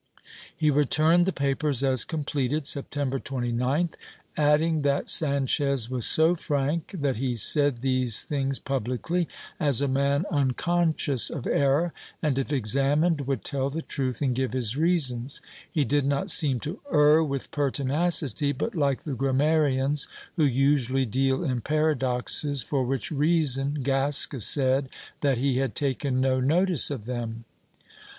He returned the papers as completed, September 29th, adding that Sdnchez was so frank that he said these things publicly, as a man unconscious of error and, if examined, would tell the truth and give his reasons; he did not seem to err with pertinacity but like the grammarians, who usually deal in paradoxes, for which reason Gasca said that he had taken no notice of them.